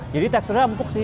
jadi teksturnya empuk sih